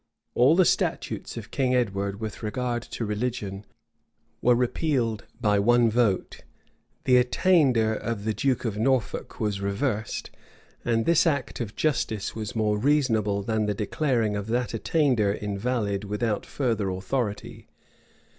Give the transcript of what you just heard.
All the statutes of King Edward with regard to religion were repealed by one vote.[v] The attainder of the duke of Norfolk was reversed; and this act of justice was more reasonable than the declaring of that attainder invalid without further authority.